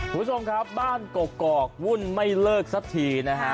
คุณผู้ชมครับบ้านกกอกวุ่นไม่เลิกสักทีนะฮะ